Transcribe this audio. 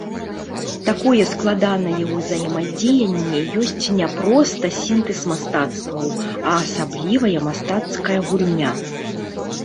Такое складанае ўзаемадзеянне ёсць не проста сінтэз мастацтваў, а асаблівая мастацкая гульня.